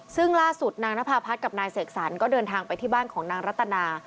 ซึ่งล่าสุดนางนภาพัฒน์กับนายเสกสรรก็เดินทางไปที่บ้านของนางรัตนา